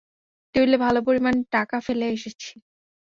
টেবিলে ভালো পরিমাণ টাকা ফেলে এসেছি।